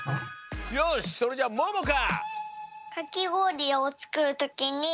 よしそれじゃあももか！